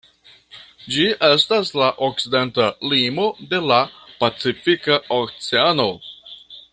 Ĝi estas la okcidenta limo de la Pacifika Oceano.